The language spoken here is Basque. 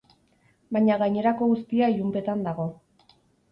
Baina gainerako guztia ilunpetan dago.